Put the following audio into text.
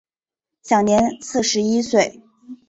享年四十一岁。